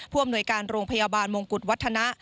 อำนวยการโรงพยาบาลมงกุฎวัฒนะ